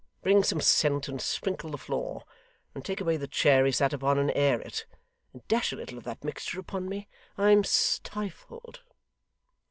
Bring some scent and sprinkle the floor; and take away the chair he sat upon, and air it; and dash a little of that mixture upon me. I am stifled!